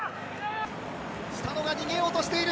スタノが逃げようとしている。